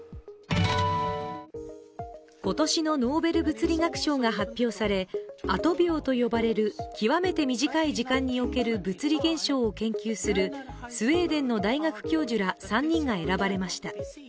今年のノーベル物理学賞が発表され、アト秒と呼ばれる極めて短い時間における物理現象を研究するスウェーデンの大学教授ら３人が選ばれました。